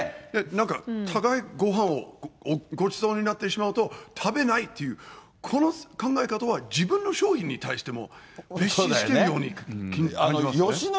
なんか高いごはんをごちそうなってしまうと、食べないっていう、この考え方は、自分の商品に対しても蔑視しているように感じますね。